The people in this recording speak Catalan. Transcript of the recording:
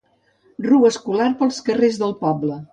Rua escolar pels carrers del poble.